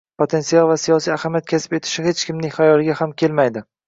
potensial va siyosiy ahamiyat kasb etishi hech kimning xayoliga ham kelmaydi.